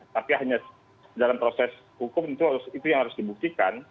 tapi hanya dalam proses hukum itu yang harus dibuktikan